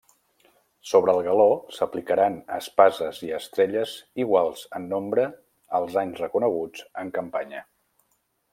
Sobre el galó s'aplicaran espases i estrelles iguals en nombre als anys reconeguts en campanya.